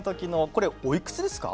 これおいくつですか？